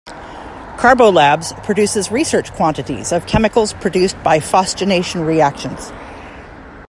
Carbolabs produces research quantities of chemicals produced by phosgenation reactions.